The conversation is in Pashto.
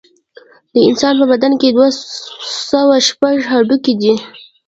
د انسان په بدن کې دوه سوه شپږ هډوکي دي